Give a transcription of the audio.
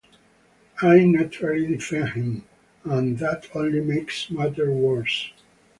I naturally defend him, and that only makes matters worse.